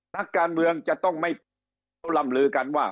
นักการเมืองจะต้องไม่เขาร่ำลือกันว่า